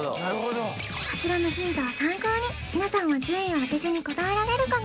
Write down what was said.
こちらのヒントを参考に皆さんは１０位を当てずに答えられるかな？